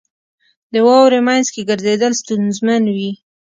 • د واورې مینځ کې ګرځېدل ستونزمن وي.